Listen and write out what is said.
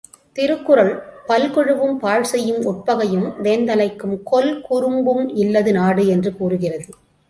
திருக்குறள், பல்குழுவும் பாழ்செய்யும் உட்பகையும் வேந்தலைக்கும் கொல்குறும்பும் இல்லது நாடு என்று கூறுகிறது.